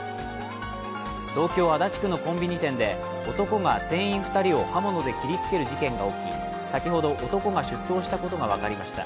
東京・足立区のコンビニ店で男が店員２人を刃物で切りつける事件が起き、先ほど男が出頭したことが分かりました。